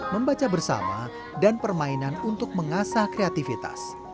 membaca bersama dan permainan untuk mengasah kreativitas